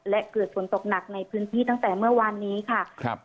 และเกิดฝนตกหนักในพื้นที่ตั้งแต่เมื่อวานนี้ค่ะครับ